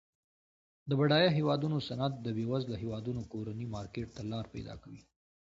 د بډایه هیوادونو صنعت د بیوزله هیوادونو کورني مارکیټ ته لار پیداکوي.